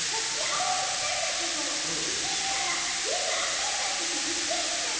おにしたんだけどきづいたらぜんぶあかになっててびっくりしたの。